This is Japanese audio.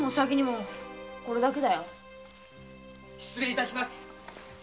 失礼致します。